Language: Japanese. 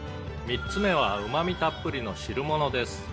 「３つ目はうまみたっぷりの汁物です」